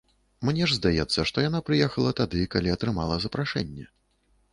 Мне ж здаецца, што яна прыехала тады, калі атрымала запрашэнне.